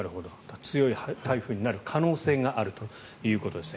強い台風になる可能性があるということですね。